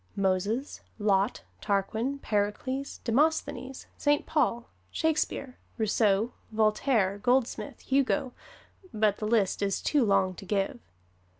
Moses, Lot, Tarquin, Pericles, Demosthenes, Saint Paul, Shakespeare, Rousseau, Voltaire, Goldsmith, Hugo but the list is too long to give.